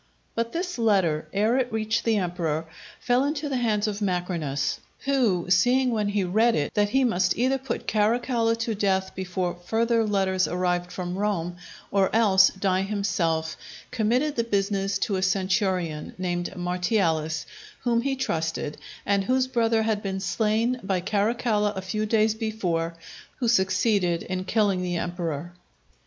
But this letter, ere it reached the emperor, fell into the hands of Macrinus, who, seeing when he read it that he must either put Caracalla to death before further letters arrived from Rome, or else die himself, committed the business to a centurion, named Martialis, whom he trusted, and whose brother had been slain by Caracalla a few days before, who succeeded in killing the emperor.